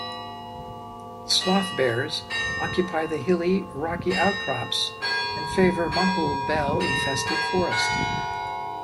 Sloth bears occupy the hilly, rocky outcrops and favour mahul bel-infested forest.